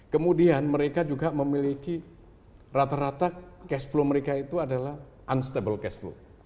kemudian mereka juga memiliki rata rata cash flow mereka itu adalah unstable cash flow